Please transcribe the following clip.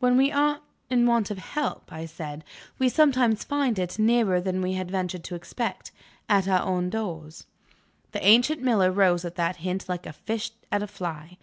"When we are in want of help," I said, "we sometimes find it, nearer than we had ventured to expect at our own doors." The ancient miller rose at that hint like a fish at a fly.